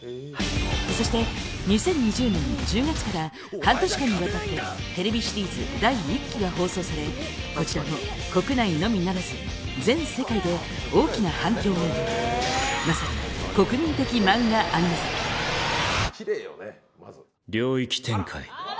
そして２０２０年１０月から半年間にわたってＴＶシリーズ第１期が放送されこちらも国内のみならず全世界で大きな反響を呼んだまさに領域展開。